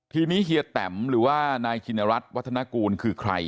ทีนี้เฮียแตมหรือว่านายชินรัฐวัฒนากูลคือใคร